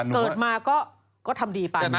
เกิดมาก็ทำดีไป